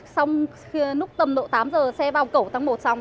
xong lúc tầm độ tám giờ xe bao cổ tăng một xong